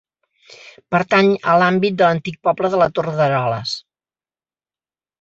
Pertany a l'àmbit de l'antic poble de la Torre d'Eroles.